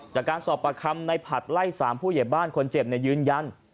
จากการสอบประคำในผัดไล่๓ผู้เหยียบบ้านคนเจ็บยืนยัน